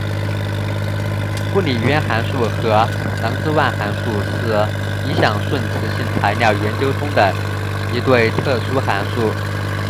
布里渊函数和郎之万函数是理想顺磁性材料研究中的一对特殊函数。